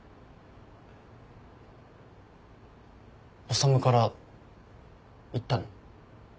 修から言ったの？